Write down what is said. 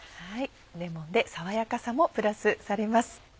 レモンで爽やかさもプラスされます。